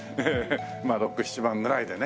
まあ６７万ぐらいでね